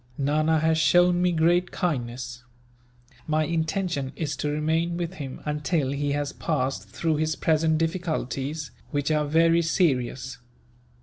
Nana has shown me great kindness. My intention is to remain with him, until he has passed through his present difficulties, which are very serious.